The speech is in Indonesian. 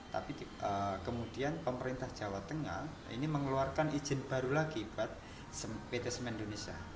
tapi kemudian pemerintah jawa tengah ini mengeluarkan izin baru lagi buat pt semen indonesia